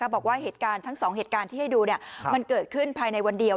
บอกว่าเหตุการณ์ทั้ง๒เหตุการณ์ที่ให้ดูมันเกิดขึ้นภายในวันเดียว